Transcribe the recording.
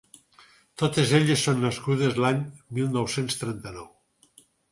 Totes elles són nascudes l’any mil nou-cents trenta-nou.